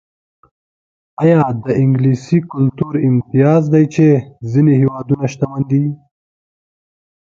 ایا دا د انګلیسي کلتور امتیاز دی چې ځینې هېوادونه شتمن دي.